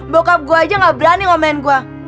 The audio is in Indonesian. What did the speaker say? bokap gue aja gak berani ngomongin gue